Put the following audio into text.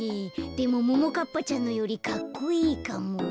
でもももかっぱちゃんのよりかっこいいかも。